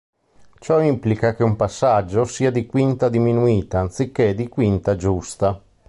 Ciò implica che un passaggio sia di quinta diminuita, anziché di quinta giusta.